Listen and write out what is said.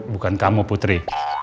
bukan kamu putri